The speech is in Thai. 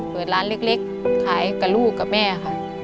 เปิดร้านเล็กขายกับลูกกับแม่ค่ะ